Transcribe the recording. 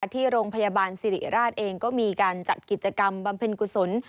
ที่โรงพยาบาลสิริราชเองก็มีการจัดกิจกรรมบำเพ็ญกุศล